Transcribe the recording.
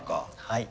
はい。